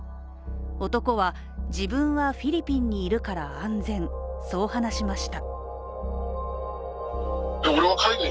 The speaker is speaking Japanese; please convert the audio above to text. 男は、自分はフィリピンにいるから安全、そう話しました。